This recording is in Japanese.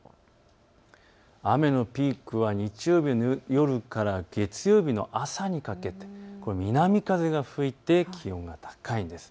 雨のピークは日曜日の夜から月曜日の朝にかけて、これは南風が吹いて気温が高いんです。